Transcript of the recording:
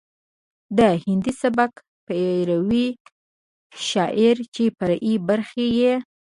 د هندي سبک پيرو شاعر چې فرعي برخې يې